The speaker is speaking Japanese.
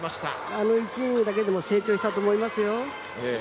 あの１イニングだけでも成長したと思いますよ。